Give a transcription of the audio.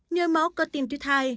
nhồi máu cơ tim tuyết hai